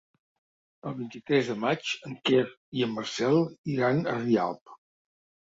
El vint-i-tres de maig en Quer i en Marcel iran a Rialp.